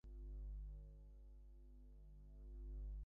হরলাল তাহার বাসার দরজার কাছে দাঁড়াইয়া রহিল।